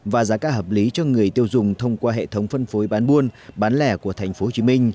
và giá ca hợp lý cho người tiêu dùng thông qua hệ thống phân phối bán buôn bán lẻ của tp hcm